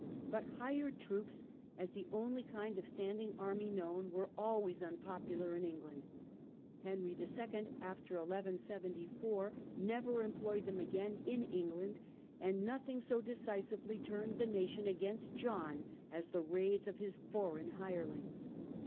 But hired troops, as the only kind of standing army known, were always unpopular in England; Henry II., after 1174, never employed them again in England, and nothing so decisively turned the nation against John as the raids of his foreign hirelings.